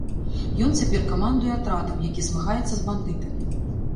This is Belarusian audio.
Ён цяпер камандуе атрадам, які змагаецца з бандытамі.